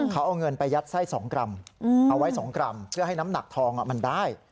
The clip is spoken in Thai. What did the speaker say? เขาเอาเงินไปยัดไส้๒กรัมเอาไว้๒กรัมเพื่อให้น้ำหนักทองมันได้